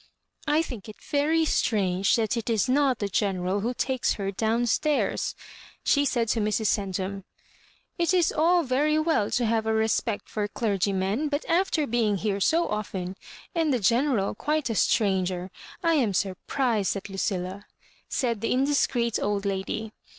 I think it very strange that it is not the General who takes her down stairs," she said to Mrs. Oentum. " It is all very well to have a respect for clergy men ; but after being here so often, and the Ge neral (tuite a stranger — ^I am surprised at Lu cilla," said the indiscreet old kdy.